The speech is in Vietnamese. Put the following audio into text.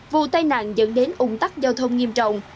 vụ tai nạn dẫn đến ủng tắc giao thông nghiêm trọng